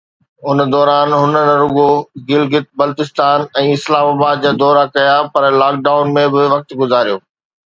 ان دوران هن نه رڳو گلگت، بلستان ۽ اسلام آباد جا دورا ڪيا پر لاڪ ڊائون ۾ به وقت گذاريو.